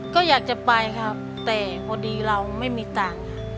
ก็อยากจะไปครับแต่พอดีเราไม่มีตังค์